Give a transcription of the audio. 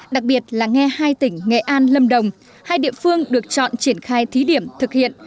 đặc biệt là nghe hai tỉnh nghệ an lâm đồng hai địa phương được chọn triển khai thí điểm thực hiện